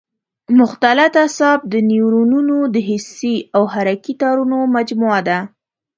مختلط اعصاب د نیورونونو د حسي او حرکي تارونو مجموعه ده.